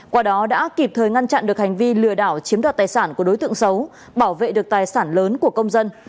qua đó đã kịp thời ngăn chặn được hành vi lừa đảo chiếm đoạt tài sản của đối tượng xấu bảo vệ được tài sản lớn của công dân